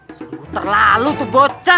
sungguh terlalu tuh bocah